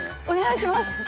お願いします。